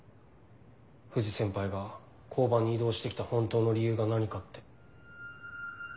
藤先輩が交番に異動して来た本当の理由が何かって。